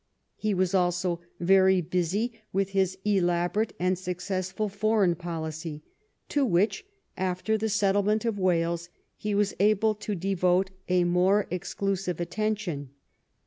He was also very busy with his elaborate and successful foreign policy ; to which, after the settlement of Wales, he was able to devote a more exclusive attention.